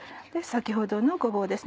先ほどのごぼうです